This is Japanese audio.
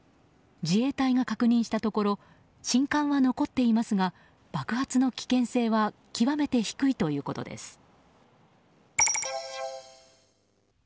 自衛隊が確認したところ信管は残っていますが爆発の危険性は極めて低いということです。